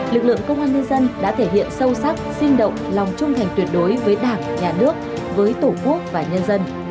lực lượng công an nhân dân đã thể hiện sâu sắc sinh động lòng trung thành tuyệt đối với đảng nhà nước với tổ quốc và nhân dân